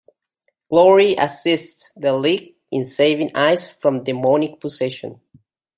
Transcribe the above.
Glory assists the League in saving Ice from demonic possession.